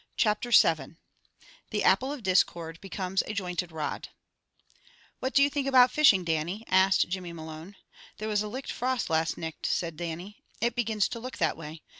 Chapter VII THE APPLE OF DISCORD BECOMES A JOINTED ROD "What do you think about fishing, Dannie?" asked Jimmy Malone. "There was a licht frost last nicht," said Dannie. "It begins to look that way.